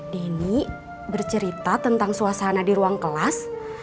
deni bercerita tentang suasana di ruang kelas